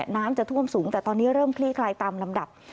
น้ำจะท่วมสูงแต่ตอนนี้เริ่มคลี่คลายตามลำดับ